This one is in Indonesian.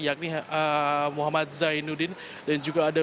yakni muhammad zainuddin dan juga ada